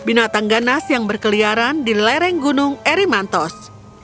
binatang ganas yang berkeliaran di lereng gunung erimantos